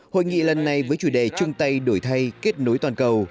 hội nghị lần này với chủ đề trung tây đổi thay kết nối toàn cầu